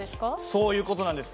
そういう事なんです。